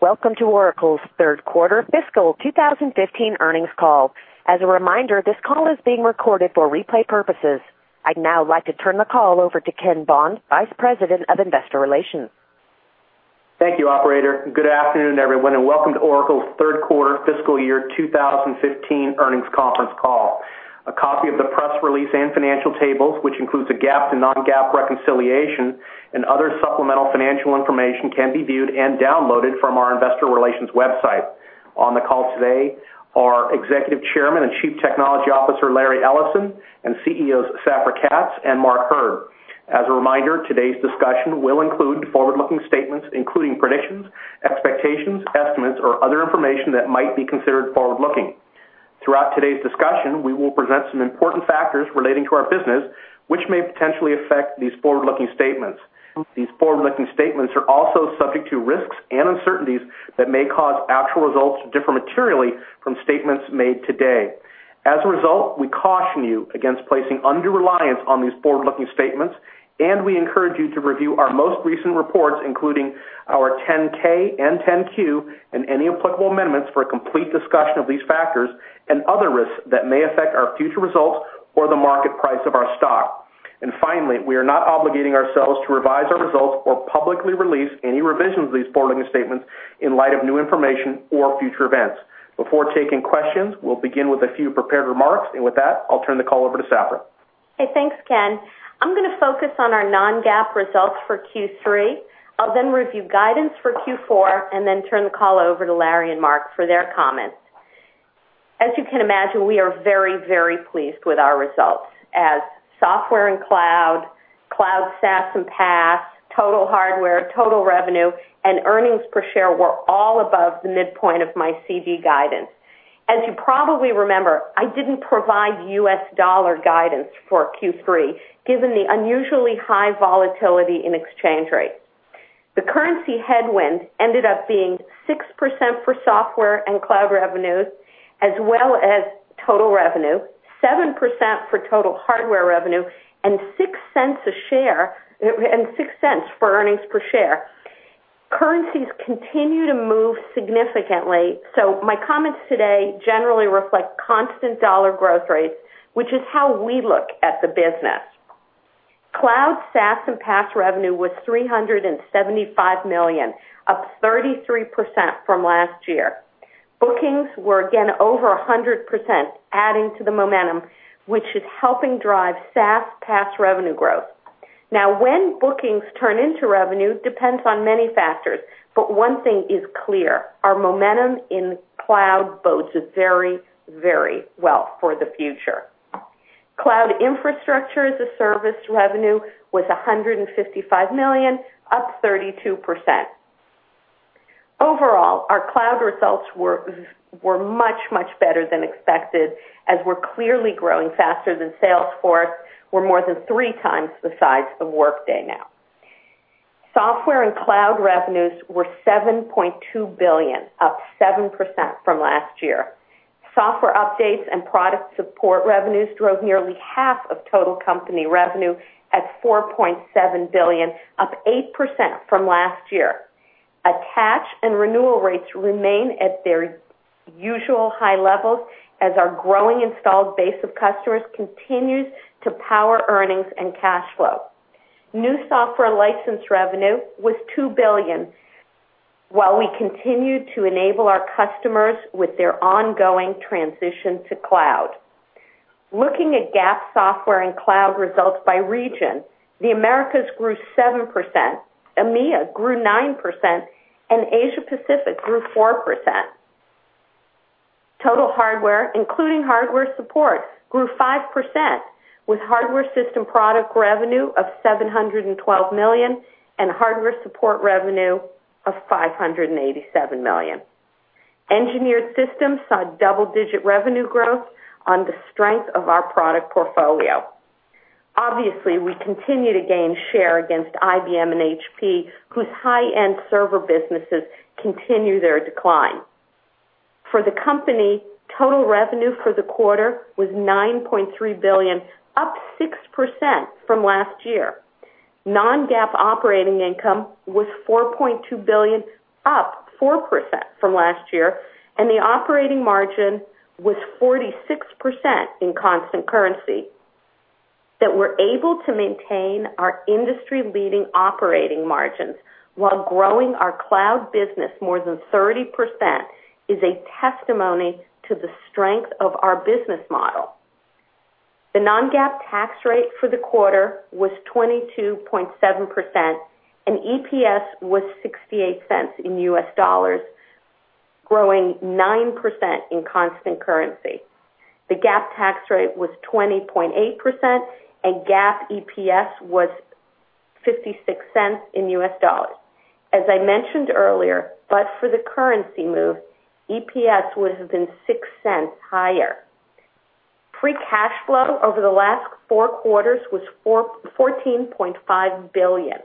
Welcome to Oracle's third quarter fiscal 2015 earnings call. As a reminder, this call is being recorded for replay purposes. I'd now like to turn the call over to Ken Bond, Vice President of Investor Relations. Thank you, operator. Good afternoon, everyone, and welcome to Oracle's third quarter fiscal year 2015 earnings conference call. A copy of the press release and financial tables, which includes a GAAP and non-GAAP reconciliation and other supplemental financial information, can be viewed and downloaded from our investor relations website. On the call today are Executive Chairman and Chief Technology Officer, Larry Ellison, and CEOs Safra Catz and Mark Hurd. As a reminder, today's discussion will include forward-looking statements, including predictions, expectations, estimates, or other information that might be considered forward-looking. Throughout today's discussion, we will present some important factors relating to our business, which may potentially affect these forward-looking statements. These forward-looking statements are also subject to risks and uncertainties that may cause actual results to differ materially from statements made today. As a result, we caution you against placing undue reliance on these forward-looking statements, and we encourage you to review our most recent reports, including our 10-K and 10-Q, and any applicable amendments for a complete discussion of these factors and other risks that may affect our future results or the market price of our stock. Finally, we are not obligating ourselves to revise our results or publicly release any revisions of these forward-looking statements in light of new information or future events. Before taking questions, we'll begin with a few prepared remarks. With that, I'll turn the call over to Safra. Hey, thanks, Ken. I'm going to focus on our non-GAAP results for Q3. I'll then review guidance for Q4, and then turn the call over to Larry and Mark for their comments. As you can imagine, we are very, very pleased with our results as software and cloud SaaS and PaaS, total hardware, total revenue, and earnings per share were all above the midpoint of my CC guidance. As you probably remember, I didn't provide U.S. dollar guidance for Q3, given the unusually high volatility in exchange rates. The currency headwind ended up being 6% for software and cloud revenues, as well as total revenue, 7% for total hardware revenue, and $0.06 for earnings per share. Currencies continue to move significantly. My comments today generally reflect constant dollar growth rates, which is how we look at the business. Cloud SaaS and PaaS revenue was $375 million, up 33% from last year. Bookings were again over 100%, adding to the momentum, which is helping drive SaaS PaaS revenue growth. When bookings turn into revenue depends on many factors, but one thing is clear, our momentum in cloud bodes it very, very well for the future. Cloud IaaS revenue was $155 million, up 32%. Overall, our cloud results were much, much better than expected, as we're clearly growing faster than Salesforce. We're more than three times the size of Workday now. Software and cloud revenues were $7.2 billion, up 7% from last year. Software updates and product support revenues drove nearly half of total company revenue at $4.7 billion, up 8% from last year. Attach and renewal rates remain at their usual high levels as our growing installed base of customers continues to power earnings and cash flow. New software license revenue was $2 billion, while we continued to enable our customers with their ongoing transition to cloud. Looking at GAAP software and cloud results by region, the Americas grew 7%, EMEA grew 9%, and Asia Pacific grew 4%. Total hardware, including hardware support, grew 5%, with hardware system product revenue of $712 million and hardware support revenue of $587 million. Engineered systems saw double-digit revenue growth on the strength of our product portfolio. Obviously, we continue to gain share against IBM and HP, whose high-end server businesses continue their decline. For the company, total revenue for the quarter was $9.3 billion, up 6% from last year. Non-GAAP operating income was $4.2 billion, up 4% from last year, and the operating margin was 46% in constant currency. That we're able to maintain our industry-leading operating margins while growing our cloud business more than 30% is a testimony to the strength of our business model. The non-GAAP tax rate for the quarter was 22.7%, and EPS was $0.68 in US dollars, growing 9% in constant currency. The GAAP tax rate was 20.8%, and GAAP EPS was $0.56 in US dollars. As I mentioned earlier, for the currency move, EPS would have been $0.06 higher. Free cash flow over the last four quarters was $14.5 billion.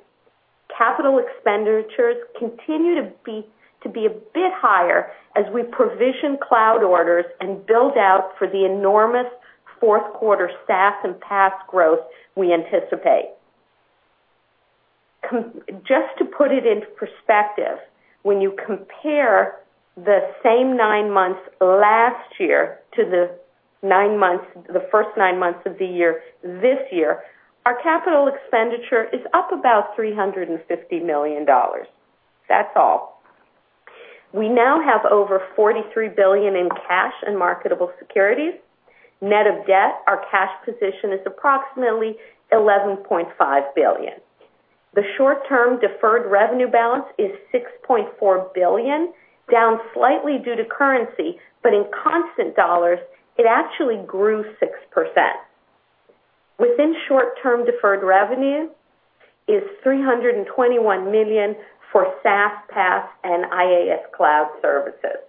Capital expenditures continue to be a bit higher as we provision cloud orders and build out for the enormous fourth quarter SaaS and PaaS growth we anticipate. Just to put it into perspective, when you compare the same nine months last year to the first nine months of the year this year, our capital expenditure is up about $350 million. That's all. We now have over $43 billion in cash and marketable securities. Net of debt, our cash position is approximately $11.5 billion. The short-term deferred revenue balance is $6.4 billion, down slightly due to currency, but in constant dollars, it actually grew 6%. Within short-term deferred revenue is $321 million for SaaS, PaaS, and IaaS cloud services.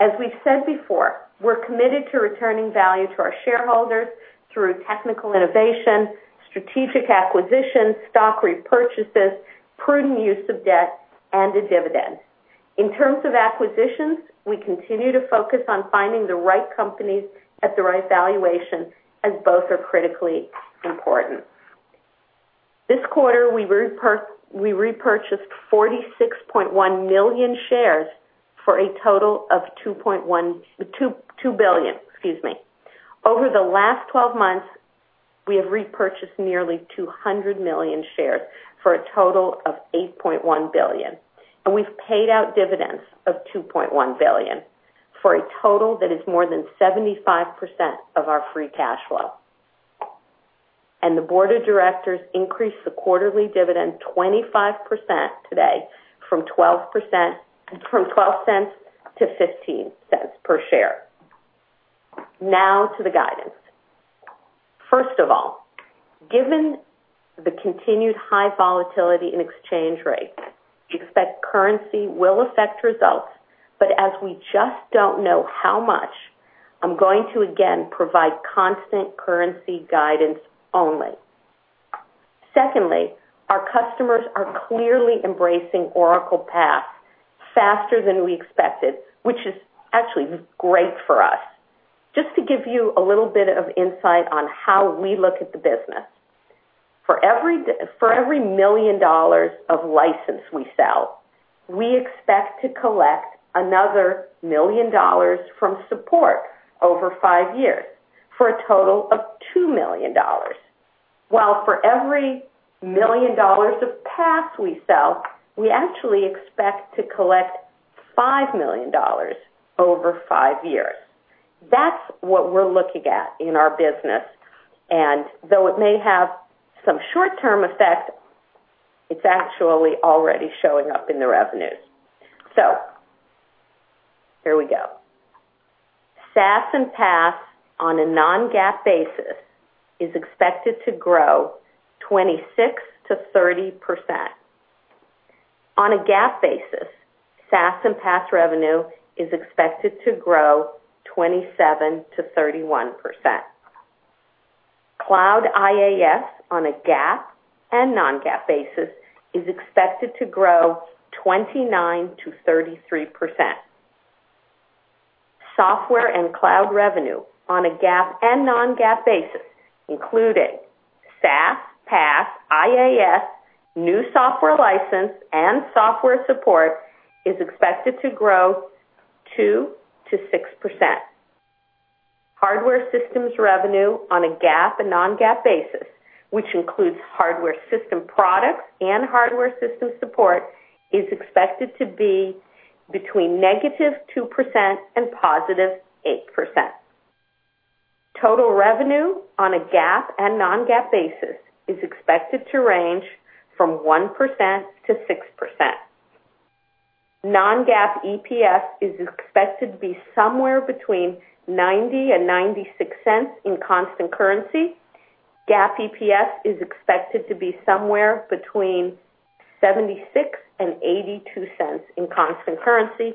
As we've said before, we're committed to returning value to our shareholders through technical innovation, strategic acquisitions, stock repurchases, prudent use of debt, and a dividend. In terms of acquisitions, we continue to focus on finding the right companies at the right valuation, as both are critically important. This quarter, we repurchased 46.1 million shares for a total of $2 billion, excuse me. Over the last 12 months, we have repurchased nearly 200 million shares, for a total of $8.1 billion, and we've paid out dividends of $2.1 billion for a total that is more than 75% of our free cash flow. The board of directors increased the quarterly dividend 25% today from $0.12 to $0.15 per share. Now to the guidance. First of all, given the continued high volatility in exchange rates, expect currency will affect results, but as we just don't know how much, I'm going to, again, provide Constant Currency guidance only. Secondly, our customers are clearly embracing Oracle PaaS faster than we expected, which is actually great for us. Just to give you a little bit of insight on how we look at the business, for every million dollars of license we sell, we expect to collect another million dollars from support over five years, for a total of $2 million, while for every million dollars of PaaS we sell, we actually expect to collect $5 million over five years. That's what we're looking at in our business, and though it may have some short-term effect, it's actually already showing up in the revenues. Here we go. SaaS and PaaS on a non-GAAP basis is expected to grow 26%-30%. On a GAAP basis, SaaS and PaaS revenue is expected to grow 27%-31%. Cloud IaaS on a GAAP and non-GAAP basis is expected to grow 29%-33%. Software and cloud revenue on a GAAP and non-GAAP basis, including SaaS, PaaS, IaaS, new software license, and software support, is expected to grow 2%-6%. Hardware systems revenue on a GAAP and non-GAAP basis, which includes hardware system products and hardware system support, is expected to be between -2% and +8%. Total revenue on a GAAP and non-GAAP basis is expected to range from 1%-6%. Non-GAAP EPS is expected to be somewhere between $0.90 and $0.96 in Constant Currency. GAAP EPS is expected to be somewhere between $0.76 and $0.82 in Constant Currency.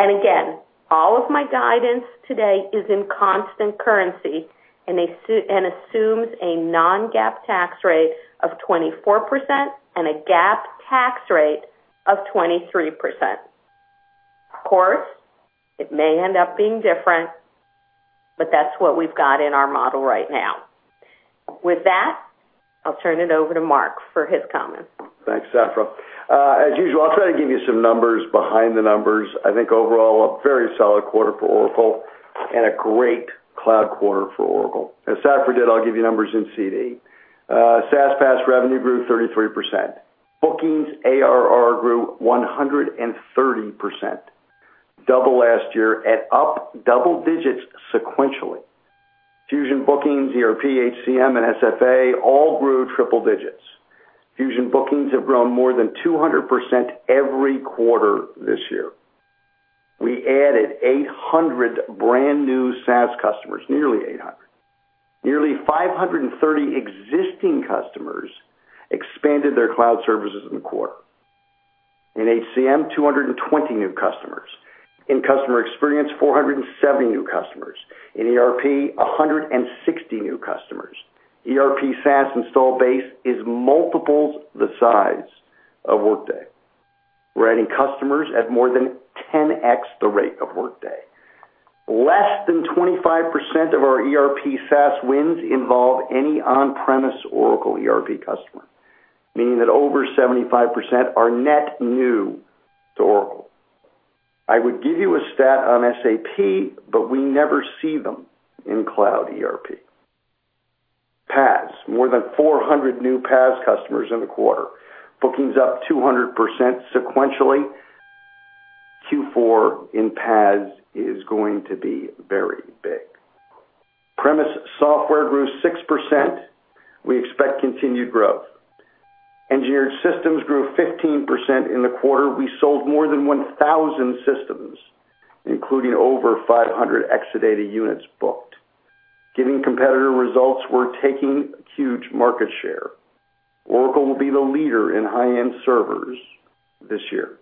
Again, all of my guidance today is in Constant Currency and assumes a non-GAAP tax rate of 24% and a GAAP tax rate of 23%. Of course, it may end up being different, but that's what we've got in our model right now. With that, I'll turn it over to Mark for his comments. Thanks, Safra. As usual, I'll try to give you some numbers behind the numbers. Overall, a very solid quarter for Oracle and a great cloud quarter for Oracle. As Safra did, I'll give you numbers in CC. SaaS/PaaS revenue grew 33%. Bookings ARR grew 130%, double last year and up double digits sequentially. Fusion bookings, ERP, HCM, and SFA all grew triple digits. Fusion bookings have grown more than 200% every quarter this year. We added 800 brand-new SaaS customers, nearly 800. Nearly 530 existing customers expanded their cloud services in the quarter. In HCM, 220 new customers. In customer experience, 470 new customers. In ERP, 160 new customers. ERP SaaS installed base is multiples the size of Workday. We're adding customers at more than 10x the rate of Workday. Less than 25% of our ERP SaaS wins involve any on-premise Oracle ERP customer, meaning that over 75% are net new to Oracle. I would give you a stat on SAP, we never see them in cloud ERP. PaaS. More than 400 new PaaS customers in the quarter. Bookings up 200% sequentially. Q4 in PaaS is going to be very big. Premise software grew 6%. We expect continued growth. Engineered systems grew 15% in the quarter. We sold more than 1,000 systems, including over 500 Exadata units booked. Giving competitor results, we're taking huge market share. Oracle will be the leader in high-end servers this year.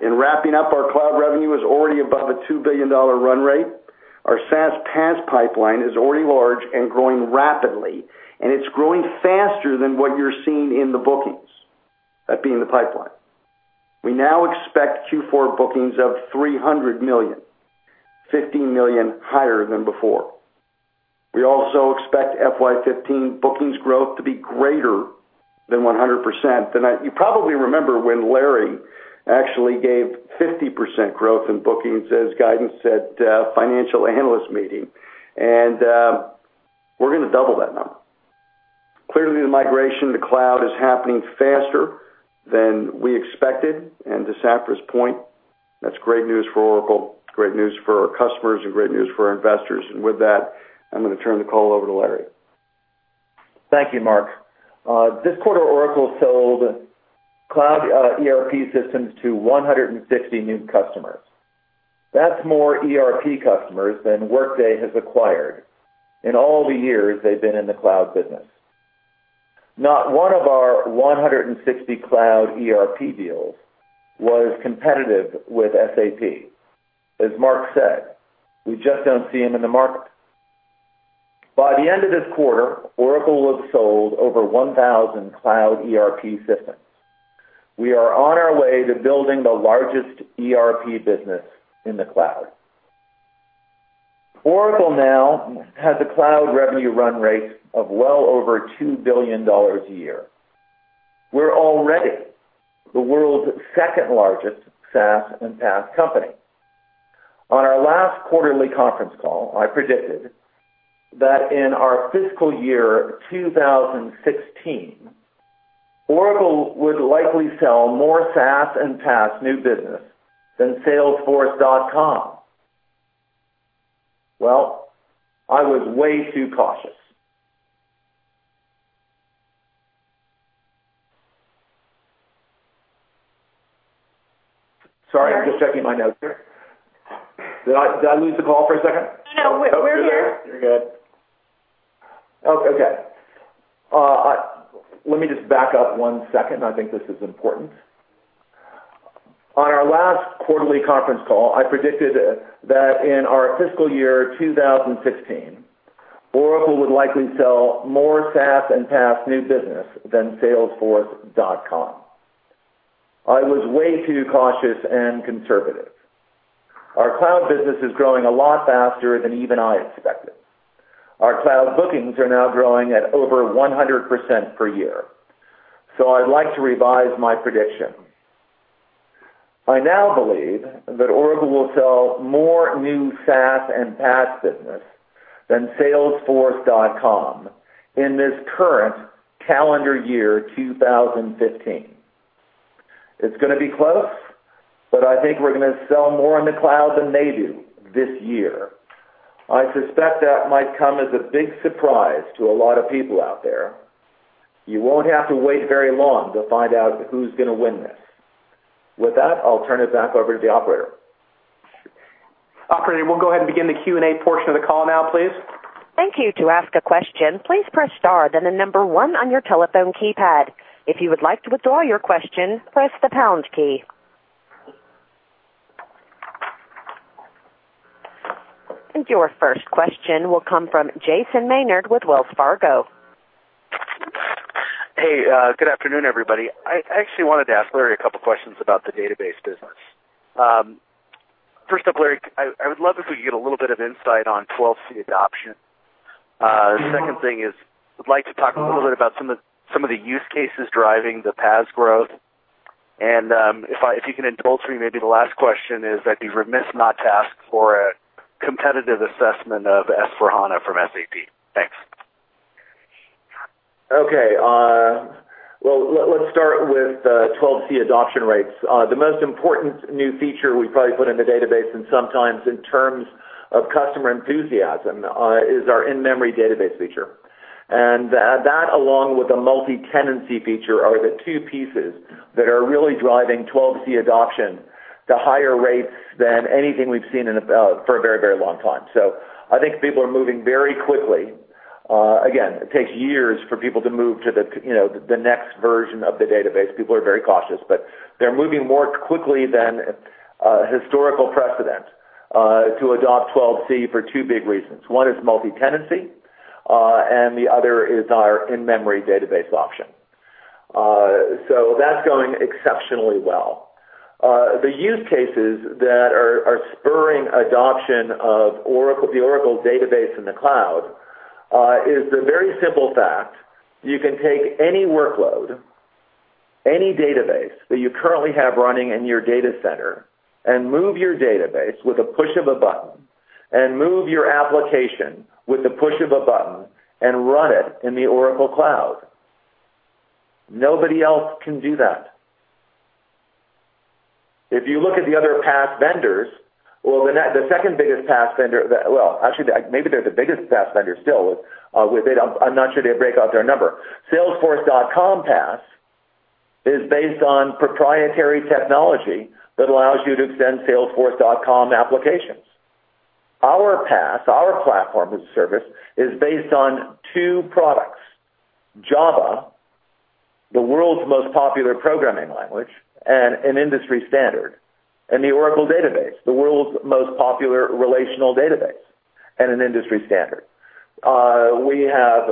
In wrapping up, our cloud revenue is already above a $2 billion run rate. Our SaaS/PaaS pipeline is already large and growing rapidly, it's growing faster than what you're seeing in the bookings, that being the pipeline. We now expect Q4 bookings of $300 million, $50 million higher than before. We also expect FY 2015 bookings growth to be greater than 100%. You probably remember when Larry actually gave 50% growth in bookings as guidance at a financial analyst meeting, we're going to double that now. Clearly, the migration to cloud is happening faster than we expected. To Safra's point, that's great news for Oracle, great news for our customers, great news for our investors. With that, I'm going to turn the call over to Larry. Thank you, Mark. This quarter, Oracle sold cloud ERP systems to 160 new customers. That's more ERP customers than Workday has acquired in all the years they've been in the cloud business. Not one of our 160 cloud ERP deals was competitive with SAP. As Mark said, we just don't see them in the market. By the end of this quarter, Oracle will have sold over 1,000 cloud ERP systems. We are on our way to building the largest ERP business in the cloud. Oracle now has a cloud revenue run rate of well over $2 billion a year. We're already the world's second-largest SaaS and PaaS company. On our last quarterly conference call, I predicted that in our fiscal year 2016, Oracle would likely sell more SaaS and PaaS new business than salesforce.com. I was way too cautious. Sorry, I'm just checking my notes here. Did I lose the call for a second? No, we're here. You're good. Okay. Let me just back up one second. I think this is important. On our last quarterly conference call, I predicted that in our fiscal year 2016, Oracle would likely sell more SaaS and PaaS new business than salesforce.com. I was way too cautious and conservative. Our cloud business is growing a lot faster than even I expected. Our cloud bookings are now growing at over 100% per year. I'd like to revise my prediction. I now believe that Oracle will sell more new SaaS and PaaS business than salesforce.com in this current calendar year 2015. It's going to be close, I think we're going to sell more in the cloud than they do this year. I suspect that might come as a big surprise to a lot of people out there. You won't have to wait very long to find out who's going to win this. With that, I'll turn it back over to the operator. Operator, we'll go ahead and begin the Q&A portion of the call now, please. Thank you. To ask a question, please press star, then the number one on your telephone keypad. If you would like to withdraw your question, press the pound key. Your first question will come from Jason Maynard with Wells Fargo. Hey, good afternoon, everybody. I actually wanted to ask Larry a couple of questions about the database business. First up, Larry, I would love if we could get a little bit of insight on 12c adoption. Second thing is, I'd like to talk a little bit about some of the use cases driving the PaaS growth. If you can indulge me, maybe the last question is, I'd be remiss not to ask for a competitive assessment of S/4HANA from SAP. Thanks. Well, let's start with the 12c adoption rates. The most important new feature we've probably put in the database in some time in terms of customer enthusiasm is our in-memory database feature. That, along with a multi-tenancy feature, are the two pieces that are really driving 12c adoption to higher rates than anything we've seen for a very long time. I think people are moving very quickly. Again, it takes years for people to move to the next version of the database. People are very cautious, but they're moving more quickly than historical precedent to adopt 12c for two big reasons. One is multi-tenancy. The other is our in-memory database option. That's going exceptionally well. The use cases that are spurring adoption of the Oracle Database in the cloud is the very simple fact, you can take any workload, any database that you currently have running in your data center, move your database with a push of a button, move your application with the push of a button and run it in the Oracle Cloud. Nobody else can do that. If you look at the other PaaS vendors, well, the second biggest PaaS vendor, actually, maybe they're the biggest PaaS vendor still with it. I'm not sure they break out their number. salesforce.com PaaS is based on proprietary technology that allows you to extend salesforce.com applications. Our PaaS, our platform as a service, is based on two products, Java, the world's most popular programming language and an industry standard, and the Oracle Database, the world's most popular relational database and an industry standard. We have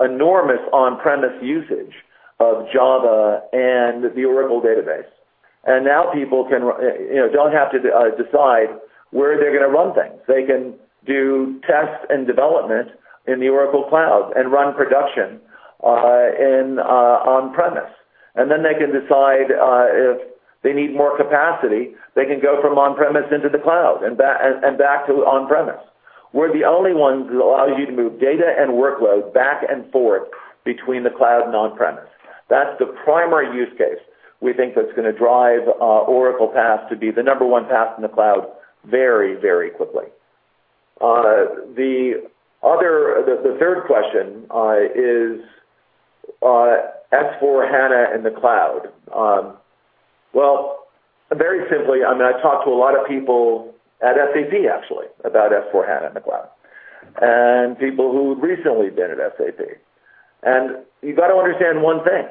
enormous on-premise usage of Java and the Oracle Database. Now people don't have to decide where they're going to run things. They can do tests and development in the Oracle Cloud and run production on-premise. Then they can decide if they need more capacity, they can go from on-premise into the cloud and back to on-premise. We're the only ones who allow you to move data and workloads back and forth between the cloud and on-premise. That's the primary use case we think that's going to drive Oracle PaaS to be the number 1 PaaS in the cloud very quickly. The third question is S/4HANA in the cloud. Well, very simply, I talk to a lot of people at SAP actually, about S/4HANA in the cloud, and people who've recently been at SAP. You've got to understand one thing.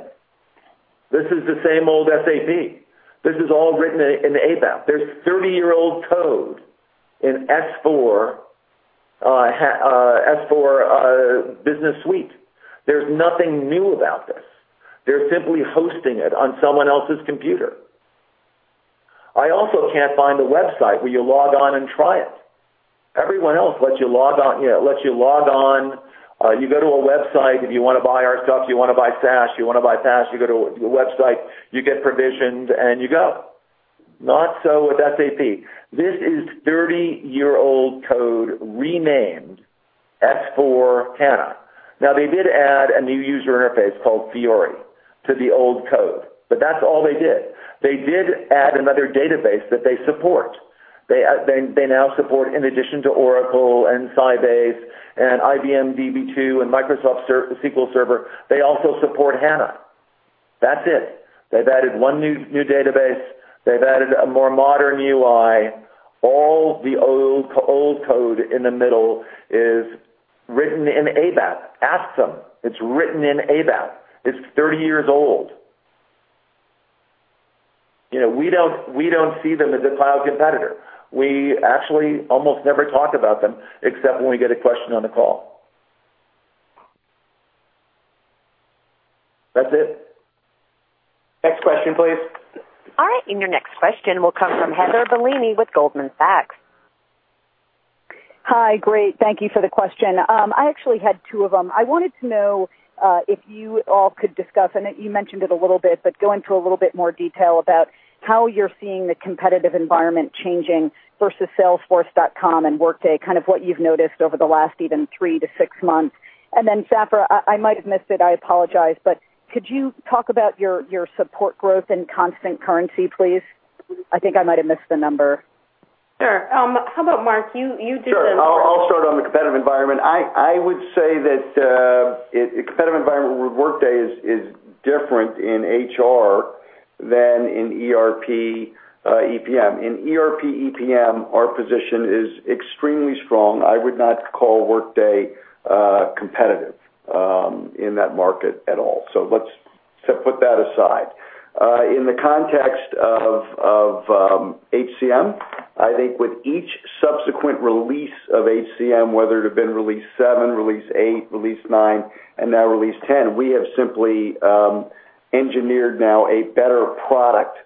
This is the same old SAP. This is all written in ABAP. There's 30-year-old code in S/4 Business Suite. There's nothing new about this. They're simply hosting it on someone else's computer. I also can't find a website where you log on and try it. Everyone else lets you log on. You go to a website if you want to buy our stuff, you want to buy SaaS, you want to buy PaaS, you go to a website, you get provisioned, and you go. Not so with SAP. This is 30-year-old code renamed S/4HANA. They did add a new user interface called Fiori to the old code, that's all they did. They did add another database that they support. They now support, in addition to Oracle and Sybase and IBM Db2 and Microsoft SQL Server, they also support HANA. That's it. They've added one new database. They've added a more modern UI. All the old code in the middle is written in ABAP. Ask them. It's written in ABAP. It's 30 years old. We don't see them as a cloud competitor. We actually almost never talk about them except when we get a question on the call. That's it. Next question, please. All right. Your next question will come from Heather Bellini with Goldman Sachs. Hi. Great. Thank you for the question. I actually had two of them. I wanted to know if you all could discuss, you mentioned it a little bit, but go into a little bit more detail about how you're seeing the competitive environment changing versus salesforce.com and Workday, kind of what you've noticed over the last even three to six months. Safra, I might have missed it, I apologize, but could you talk about your support growth in constant currency, please? I think I might have missed the number. Sure. I'll start on the competitive environment. I would say that the competitive environment with Workday is different in HR than in ERP/EPM. In ERP/EPM, our position is extremely strong. I would not call Workday competitive in that market at all. Let's put that aside. In the context of HCM, I think with each subsequent release of HCM, whether it had been release 7, release 8, release 9, and now release 10, we have simply engineered now a better product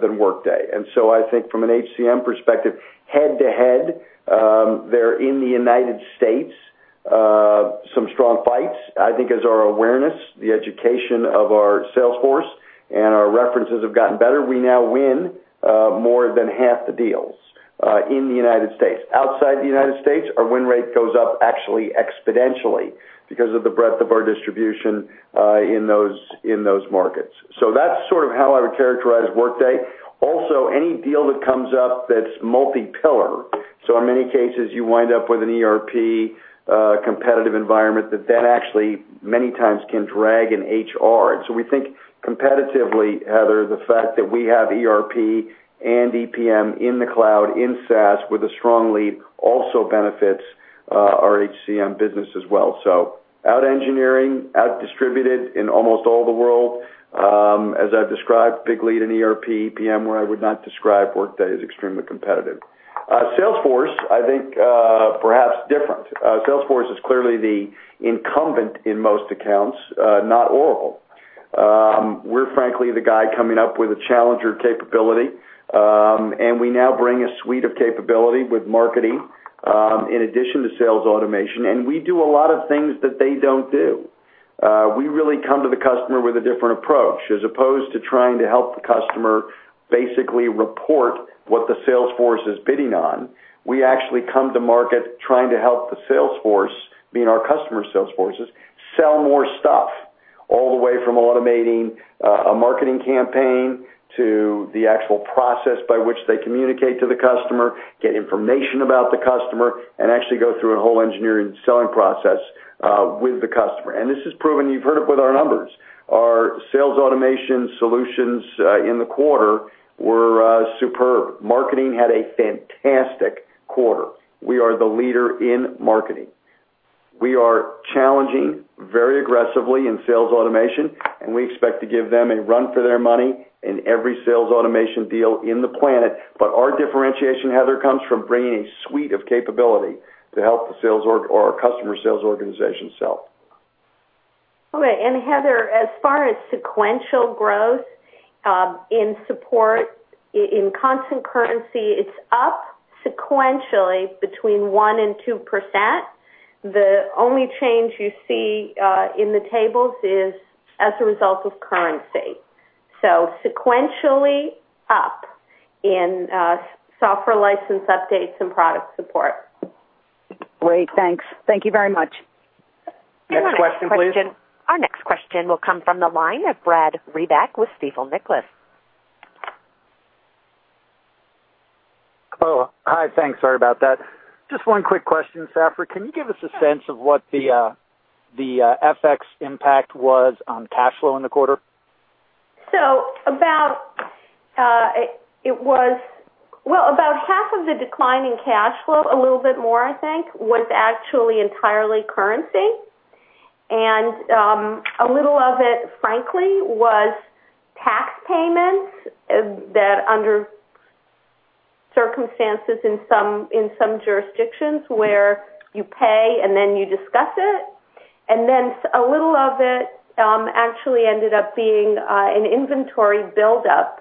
than Workday. I think from an HCM perspective, head-to-head, they're in the U.S. Some strong fights. I think as our awareness, the education of our sales force, and our references have gotten better, we now win more than half the deals in the U.S. Outside the U.S., our win rate goes up actually exponentially because of the breadth of our distribution in those markets. That's sort of how I would characterize Workday. Any deal that comes up that's multi-pillar. In many cases, you wind up with an ERP competitive environment that then actually many times can drag in HR. We think competitively, Heather, the fact that we have ERP and EPM in the cloud, in SaaS with a strong lead also benefits our HCM business as well. So Out-engineering, out-distributed in almost all the world. As I've described, big lead in ERP, EPM where I would not describe Workday as extremely competitive. Salesforce, I think perhaps different. Salesforce is clearly the incumbent in most accounts, not Oracle. We're frankly the guy coming up with a challenger capability. We now bring a suite of capability with marketing, in addition to sales automation. We do a lot of things that they don't do. We really come to the customer with a different approach. As opposed to trying to help the customer basically report what the sales force is bidding on, we actually come to market trying to help the sales force, meaning our customer sales forces, sell more stuff, all the way from automating a marketing campaign to the actual process by which they communicate to the customer, get information about the customer, and actually go through a whole engineering selling process, with the customer. This is proven, you've heard it with our numbers. Our sales automation solutions in the quarter were superb. Marketing had a fantastic quarter. We are the leader in marketing. We are challenging very aggressively in sales automation. We expect to give them a run for their money in every sales automation deal in the planet. Our differentiation, Heather, comes from bringing a suite of capability to help our customer sales organization sell. Okay. Heather, as far as sequential growth, in support in constant currency, it's up sequentially between 1% and 2%. The only change you see in the tables is as a result of currency. Sequentially up in software license updates and product support. Great. Thanks. Thank you very much. Next question, please. Our next question will come from the line of Brad Reback with Stifel Nicolaus. Oh, hi. Thanks. Sorry about that. Just one quick question, Safra. Can you give us a sense of what the FX impact was on cash flow in the quarter? About half of the decline in cash flow, a little bit more, I think, was actually entirely currency. A little of it, frankly, was tax payments that under circumstances in some jurisdictions where you pay and then you discuss it, a little of it actually ended up being an inventory buildup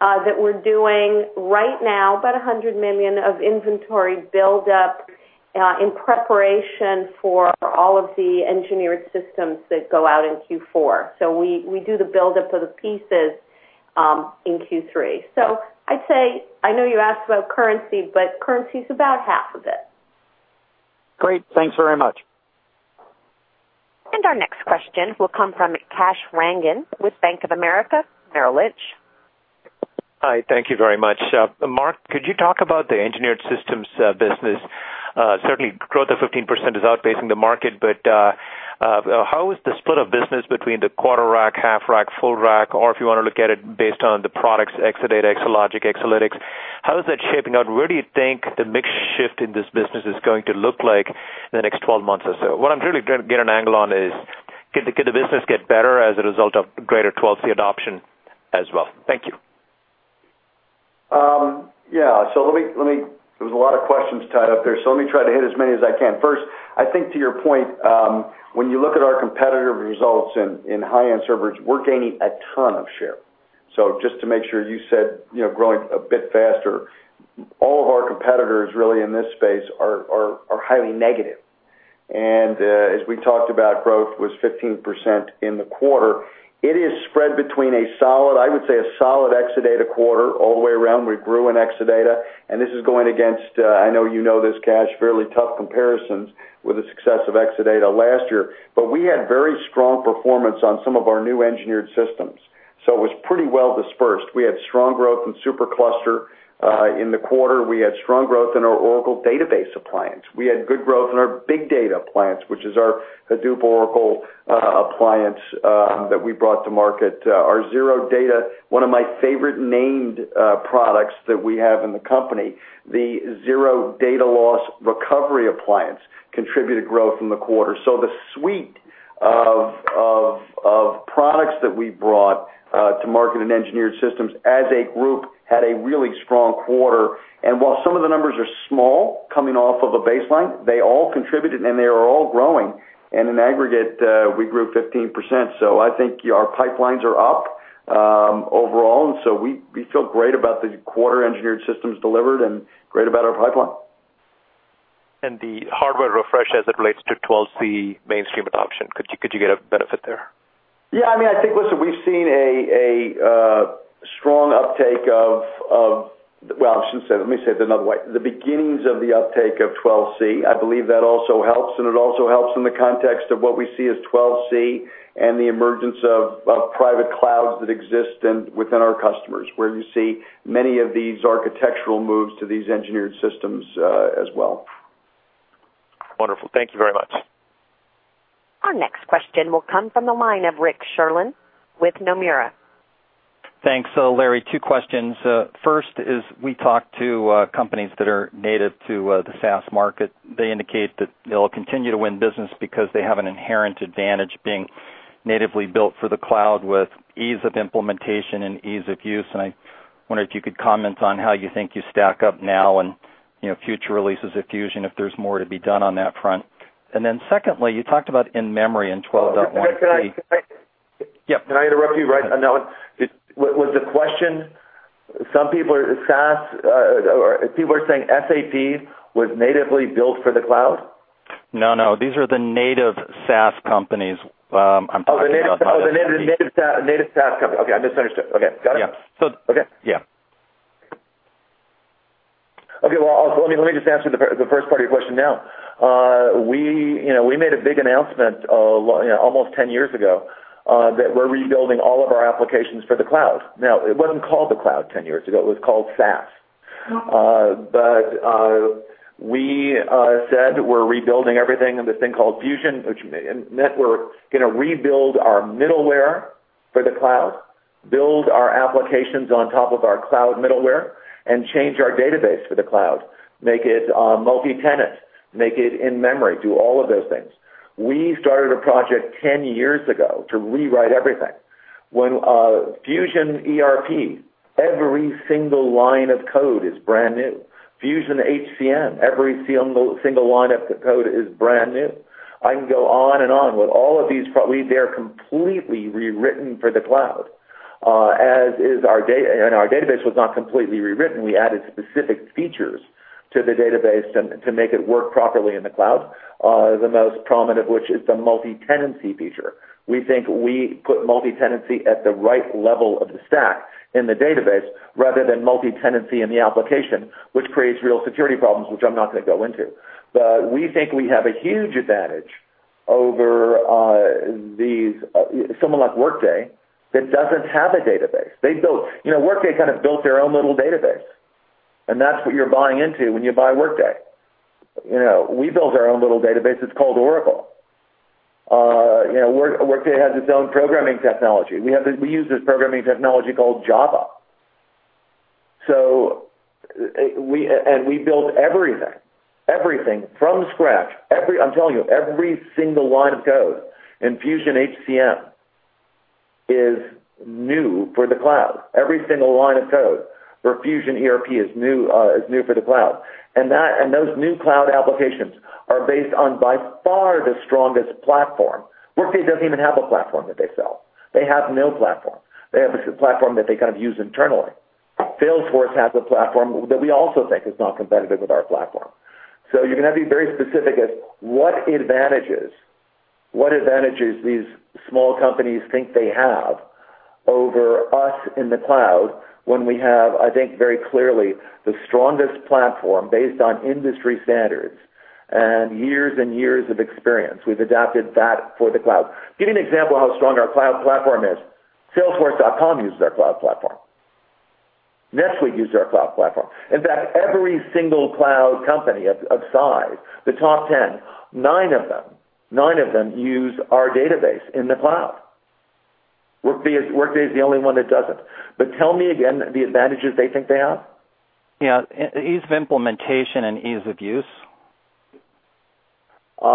that we're doing right now, about $100 million of inventory buildup in preparation for all of the engineered systems that go out in Q4. We do the buildup of the pieces in Q3. I'd say, I know you asked about currency's about half of it. Great. Thanks very much. Our next question will come from Kash Rangan with Bank of America Merrill Lynch. Hi. Thank you very much. Mark, could you talk about the engineered systems business? Certainly, growth of 15% is outpacing the market, how is the split of business between the quarter rack, half rack, full rack, or if you want to look at it based on the products, Exadata, Exalogic, Exalytics, how is that shaping up? Where do you think the mix shift in this business is going to look like in the next 12 months or so? What I'm really trying to get an angle on is, could the business get better as a result of greater 12c adoption as well? Thank you. There was a lot of questions tied up there, let me try to hit as many as I can. First, I think to your point, when you look at our competitor results in high-end servers, we're gaining a ton of share. Just to make sure, you said growing a bit faster. All of our competitors really in this space are highly negative. As we talked about, growth was 15% in the quarter. It is spread between a solid, I would say, a solid Exadata quarter all the way around. We grew in Exadata, and this is going against, I know you know this, Kash, fairly tough comparisons with the success of Exadata last year. We had very strong performance on some of our new engineered systems, so it was pretty well dispersed. We had strong growth in SuperCluster in the quarter. We had strong growth in our Oracle Database Appliance. We had good growth in our Oracle Big Data Appliance, which is our Hadoop Oracle Appliance that we brought to market. Our Zero Data, one of my favorite named products that we have in the company, the Zero Data Loss Recovery Appliance contributed growth in the quarter. The suite of products that we brought to market in engineered systems as a group had a really strong quarter. While some of the numbers are small coming off of a baseline, they all contributed, and they are all growing. In aggregate, we grew 15%. I think our pipelines are up overall, we feel great about the quarter engineered systems delivered and great about our pipeline. The hardware refresh as it relates to 12c mainstream adoption, could you get a benefit there? I think, listen, Well, let me say it another way. The beginnings of the uptake of 12c, I believe that also helps, it also helps in the context of what we see as 12c and the emergence of private clouds that exist within our customers, where you see many of these architectural moves to these engineered systems as well. Wonderful. Thank you very much. Our next question will come from the line of Rick Sherlund with Nomura. Larry, two questions. First is we talked to companies that are native to the SaaS market. They indicate that they'll continue to win business because they have an inherent advantage being natively built for the cloud with ease of implementation and ease of use. I wondered if you could comment on how you think you stack up now and future releases of Fusion, if there's more to be done on that front. Secondly, you talked about in-memory in 12.1.3- Can I- Yep. Can I interrupt you right now? Was the question, some people are saying SAP was natively built for the cloud? No, these are the native SaaS companies. Oh, the native SaaS company. Okay. I misunderstood. Okay. Got it. Yeah. Okay. Yeah. Okay. Well, let me just answer the first part of your question now. We made a big announcement almost 10 years ago, that we're rebuilding all of our applications for the cloud. It wasn't called the cloud 10 years ago. It was called SaaS. We said we're rebuilding everything in this thing called Fusion, which meant we're going to rebuild our middleware for the cloud, build our applications on top of our cloud middleware, change our database for the cloud, make it multi-tenant, make it in-memory, do all of those things. We started a project 10 years ago to rewrite everything. When Fusion ERP, every single line of code is brand new. Fusion HCM, every single line of the code is brand new. I can go on and on with all of these. They are completely rewritten for the cloud. Our database was not completely rewritten. We added specific features to the database to make it work properly in the cloud. The most prominent of which is the multi-tenancy feature. We think we put multi-tenancy at the right level of the stack in the database rather than multi-tenancy in the application, which creates real security problems, which I'm not going to go into. We think we have a huge advantage over someone like Workday that doesn't have a database. Workday kind of built their own little database, and that's what you're buying into when you buy Workday. We built our own little database, it's called Oracle. Workday has its own programming technology. We use this programming technology called Java. We built everything from scratch. I'm telling you, every single line of code in Fusion HCM is new for the cloud. Every single line of code for Fusion ERP is new for the cloud. Those new cloud applications are based on, by far, the strongest platform. Workday doesn't even have a platform that they sell. They have no platform. They have a platform that they kind of use internally. Salesforce has a platform that we also think is not competitive with our platform. You're going to have to be very specific as what advantages these small companies think they have over us in the cloud when we have, I think, very clearly the strongest platform based on industry standards and years and years of experience. We've adapted that for the cloud. Give you an example of how strong our cloud platform is. salesforce.com uses our cloud platform. NetSuite uses our cloud platform. In fact, every single cloud company of size, the top 10, nine of them use our database in the cloud. Workday is the only one that doesn't. Tell me again the advantages they think they have. Yeah. Ease of implementation and ease of use. Ease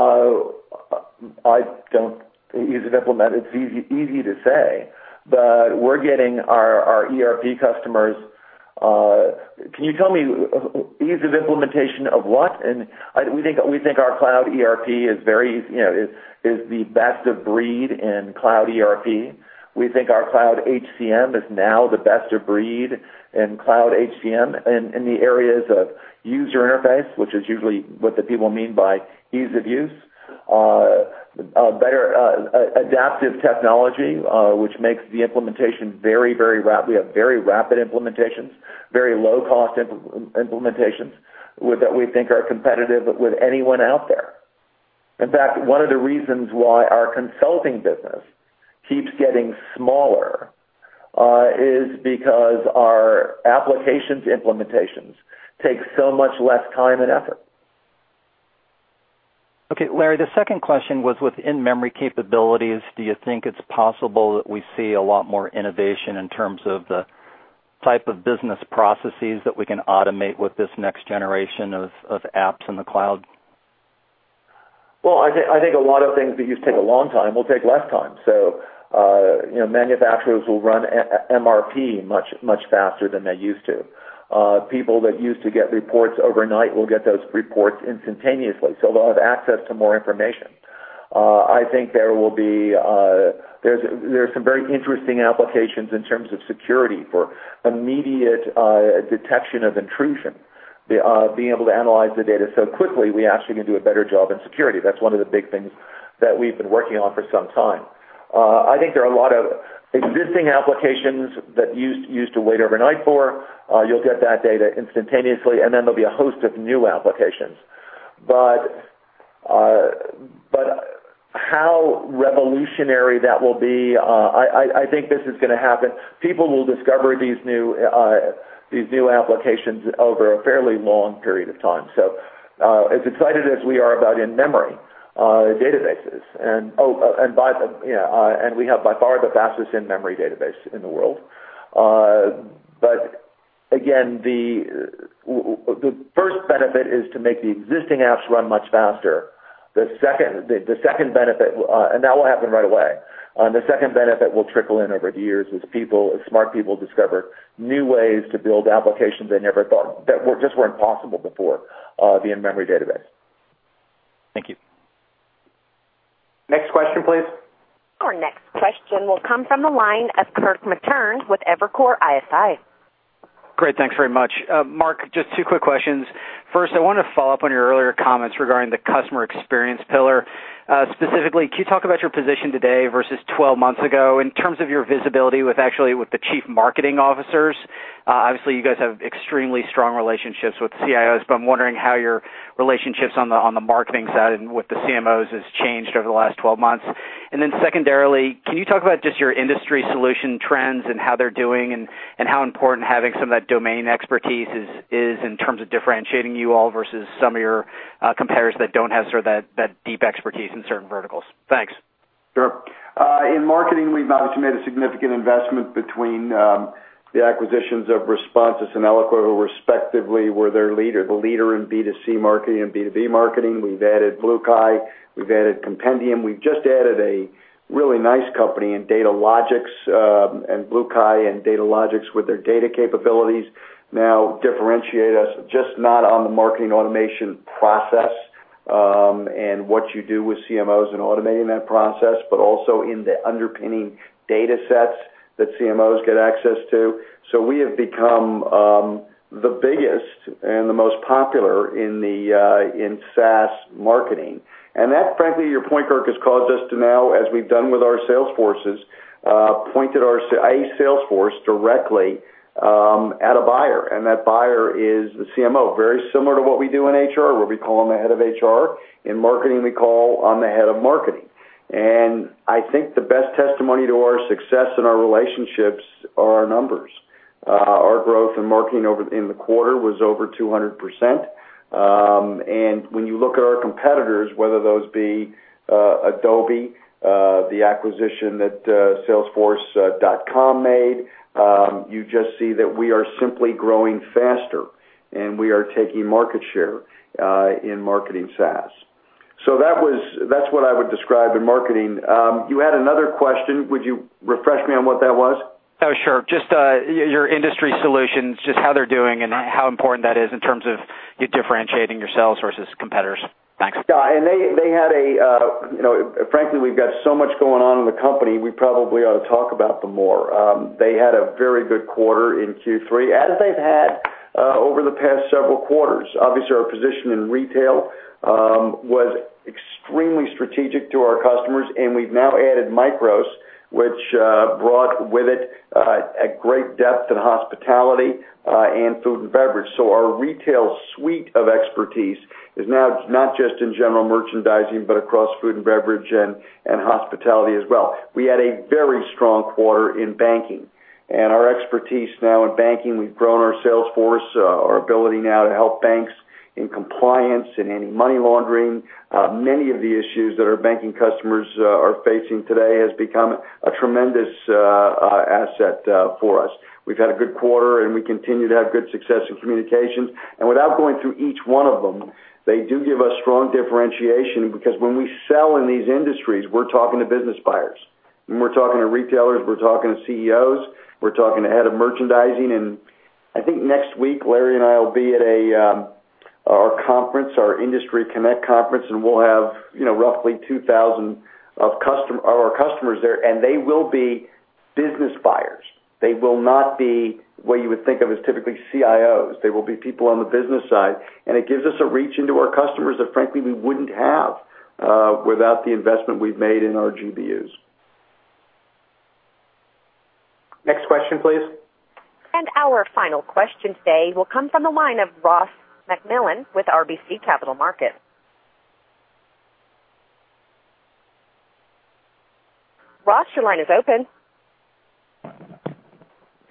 of implement, it's easy to say. We're getting our ERP customers. Can you tell me ease of implementation of what? We think our cloud ERP is the best of breed in cloud ERP. We think our cloud HCM is now the best of breed in cloud HCM in the areas of user interface, which is usually what the people mean by ease of use. Better adaptive technology, which makes the implementation very rapid. We have very rapid implementations, very low-cost implementations that we think are competitive with anyone out there. In fact, one of the reasons why our consulting business keeps getting smaller is because our applications implementations take so much less time and effort. Okay, Larry, the second question was with in-memory capabilities, do you think it's possible that we see a lot more innovation in terms of the type of business processes that we can automate with this next generation of apps in the cloud? Well, I think a lot of things that used to take a long time will take less time. Manufacturers will run MRP much faster than they used to. People that used to get reports overnight will get those reports instantaneously. They'll have access to more information. I think there's some very interesting applications in terms of security for immediate detection of intrusion. Being able to analyze the data so quickly, we actually can do a better job in security. That's one of the big things that we've been working on for some time. I think there are a lot of existing applications that you used to wait overnight for. You'll get that data instantaneously, and then there'll be a host of new applications. How revolutionary that will be, I think this is going to happen. People will discover these new applications over a fairly long period of time. As excited as we are about in-memory databases, and we have by far the fastest in-memory database in the world. The first benefit is to make the existing apps run much faster. That will happen right away. The second benefit will trickle in over the years as smart people discover new ways to build applications they never thought, that just were impossible before the in-memory database. Thank you. Next question, please. Our next question will come from the line of Kirk Materne with Evercore ISI. Great. Thanks very much. Mark, just two quick questions. First, I want to follow up on your earlier comments regarding the customer experience pillar. Specifically, can you talk about your position today versus 12 months ago in terms of your visibility with the CMOs? Obviously, you guys have extremely strong relationships with CIOs, but I am wondering how your relationships on the marketing side and with the CMOs has changed over the last 12 months. Secondarily, can you talk about just your industry solution trends and how they are doing and how important having some of that domain expertise is in terms of differentiating you all versus some of your competitors that don't have that deep expertise in certain verticals? Thanks. Sure. In marketing, we have obviously made a significant investment between the acquisitions of Responsys and Eloqua, who respectively were the leader in B2C marketing and B2B marketing. We have added BlueKai, we have added Compendium. We have just added a really nice company in Datalogix, and BlueKai and Datalogix with their data capabilities now differentiate us just not on the marketing automation process, and what you do with CMOs in automating that process, but also in the underpinning data sets that CMOs get access to. We have become the biggest and the most popular in SaaS marketing. That, frankly, your point, Kirk, has caused us to now, as we have done with our sales forces, pointed our sales force directly at a buyer, and that buyer is the CMO, very similar to what we do in HR, where we call them the head of HR. In marketing, we call on the head of marketing. I think the best testimony to our success and our relationships are our numbers. Our growth in marketing in the quarter was over 200%. When you look at our competitors, whether those be Adobe, the acquisition that Salesforce.com made, you just see that we are simply growing faster, and we are taking market share in marketing SaaS. That is what I would describe in marketing. You had another question. Would you refresh me on what that was? Sure. Just your industry solutions, just how they are doing and how important that is in terms of you differentiating yourselves versus competitors. Thanks. Yeah. Frankly, we've got so much going on in the company, we probably ought to talk about them more. They had a very good quarter in Q3, as they've had over the past several quarters. Obviously, our position in retail was extremely strategic to our customers, we've now added Micros, which brought with it a great depth to hospitality and food and beverage. Our retail suite of expertise is now not just in general merchandising, but across food and beverage and hospitality as well. We had a very strong quarter in banking, our expertise now in banking, we've grown our sales force, our ability now to help banks in compliance, in anti-money laundering. Many of the issues that our banking customers are facing today has become a tremendous asset for us. We've had a good quarter, we continue to have good success in communications. Without going through each one of them, they do give us strong differentiation because when we sell in these industries, we're talking to business buyers. When we're talking to retailers, we're talking to CEOs, we're talking to head of merchandising, I think next week, Larry and I will be at our conference, our Industry Connect conference, we'll have roughly 2,000 of our customers there, they will be business buyers. They will not be what you would think of as typically CIOs. They will be people on the business side, it gives us a reach into our customers that frankly we wouldn't have without the investment we've made in our GBUs. Next question, please. Our final question today will come from the line of Ross MacMillan with RBC Capital Markets. Ross, your line is open.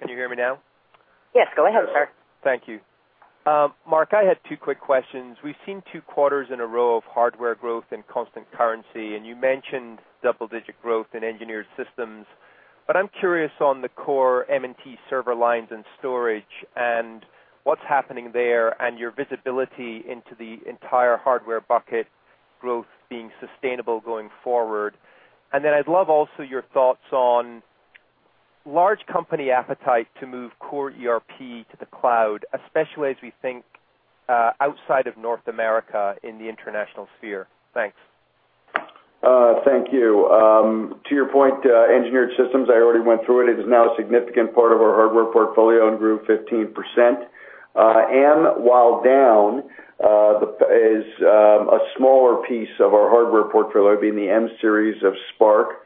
Can you hear me now? Yes, go ahead, sir. Thank you. Mark, I had two quick questions. We've seen two quarters in a row of hardware growth in constant currency. You mentioned double-digit growth in engineered systems, but I'm curious on the core M&T server lines and storage and what's happening there and your visibility into the entire hardware bucket growth being sustainable going forward. Then I'd love also your thoughts on large company appetite to move core ERP to the cloud, especially as we think outside of North America in the international sphere. Thanks. Thank you. To your point, engineered systems, I already went through it. It is now a significant part of our hardware portfolio and grew 15%. M, while down, is a smaller piece of our hardware portfolio, being the M series of SPARC.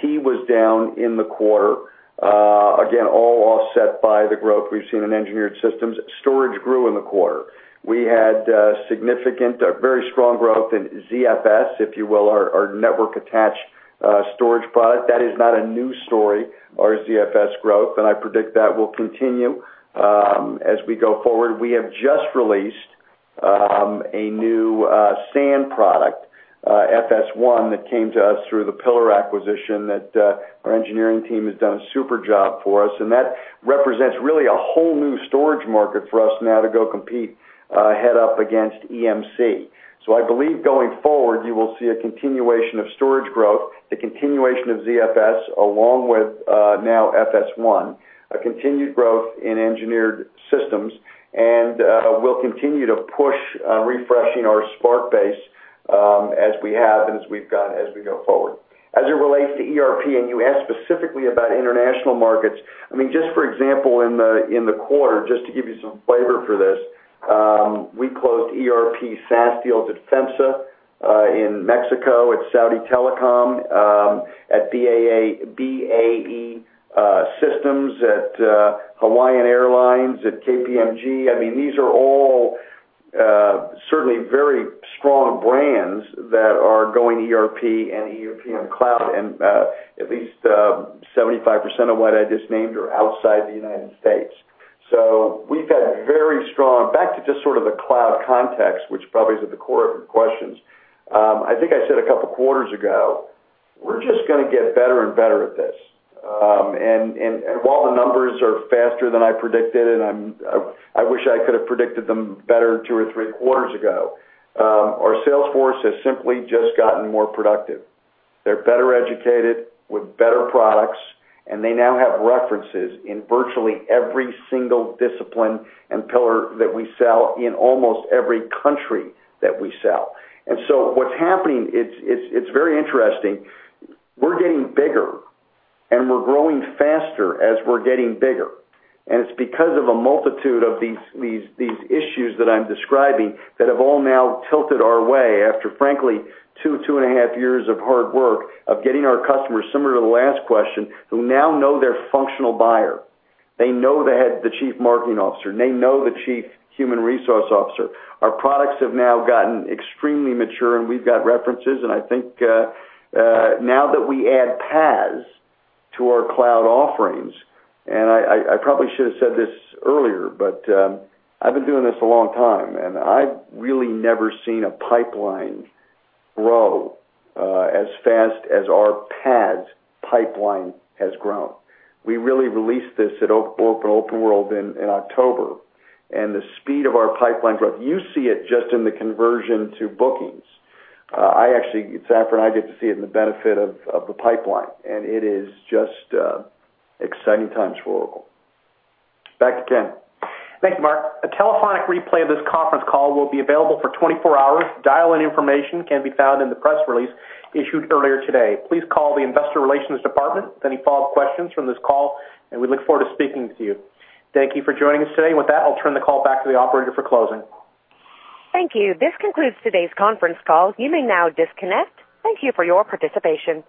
T was down in the quarter. Again, all offset by the growth we've seen in engineered systems. Storage grew in the quarter. We had significant, very strong growth in ZFS, if you will, our network-attached storage product. That is not a new story, our ZFS growth, and I predict that will continue as we go forward. We have just released a new SAN product, FS1, that came to us through the Pillar acquisition that our engineering team has done a super job for us. That represents really a whole new storage market for us now to go compete head up against EMC. I believe going forward, you will see a continuation of storage growth, the continuation of ZFS, along with now FS1, a continued growth in engineered systems, and we'll continue to push refreshing our SPARC base as we have and as we go forward. As it relates to ERP, and you asked specifically about international markets, just for example, in the quarter, just to give you some flavor for this, we closed ERP SaaS deals at FEMSA, in Mexico, at Saudi Telecom, at BAE Systems, at Hawaiian Airlines, at KPMG. These are all certainly very strong brands that are going ERP and ERP on cloud, and at least 75% of what I just named are outside the U.S. Back to just sort of the cloud context, which probably is at the core of your questions. I think I said a couple of quarters ago, we're just going to get better and better at this. While the numbers are faster than I predicted, and I wish I could have predicted them better two or three quarters ago, our sales force has simply just gotten more productive. They're better educated with better products, and they now have references in virtually every single discipline and pillar that we sell in almost every country that we sell. What's happening, it's very interesting. We're getting bigger, and we're growing faster as we're getting bigger. It's because of a multitude of these issues that I'm describing that have all now tilted our way after, frankly, two and a half years of hard work of getting our customers, similar to the last question, who now know their functional buyer. They know the Chief Marketing Officer. They know the Chief Human Resource Officer. Our products have now gotten extremely mature, and we've got references, and I think now that we add PaaS to our cloud offerings, and I probably should have said this earlier, but I've been doing this a long time, and I've really never seen a pipeline grow as fast as our PaaS pipeline has grown. We really released this at Oracle OpenWorld in October, and the speed of our pipeline growth, you see it just in the conversion to bookings. Actually, Safra and I get to see it in the benefit of the pipeline, and it is just exciting times for Oracle. Back to Ken. Thank you, Mark. A telephonic replay of this conference call will be available for 24 hours. Dial-in information can be found in the press release issued earlier today. Please call the investor relations department with any follow-up questions from this call, and we look forward to speaking with you. Thank you for joining us today. With that, I'll turn the call back to the operator for closing. Thank you. This concludes today's conference call. You may now disconnect. Thank you for your participation.